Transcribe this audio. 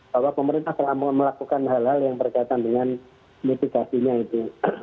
bahwa pemerintah telah melakukan hal hal yang berkaitan dengan mitigasinya itu